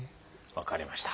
分かりました。